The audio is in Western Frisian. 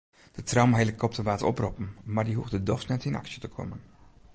De traumahelikopter waard oproppen mar dy hoegde dochs net yn aksje te kommen.